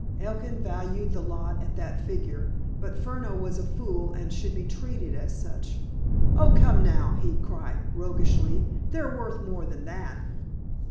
Elkin valued the lot at that figure, but Furneaux was a fool, and should be treated as such. "Oh, come now!" he cried roguishly. "They're worth more than that."